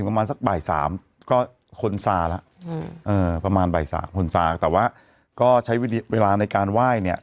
เออประมาณใบสาผลสาแต่ว่าก็ใช้เวลาในการไหว้เนี่ย